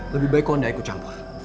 lebih baik kau anda ikut campur